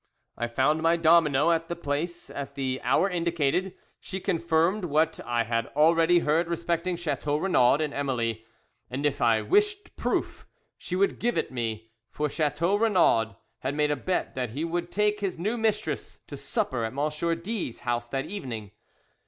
I found my domino at the place at the hour indicated. She confirmed what I had already heard respecting Chateau Renaud and Emily, and if I wished proof, she would give it me, for Chateau Renaud had made a bet that he would take his new mistress to supper at M. D 's house that evening.